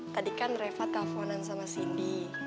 tadi kan reva telponan sama cindy